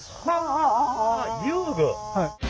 はい。